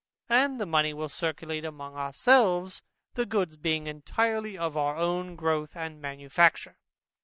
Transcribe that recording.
And the money will circulate among our selves, the goods being entirely of our own growth and manufacture.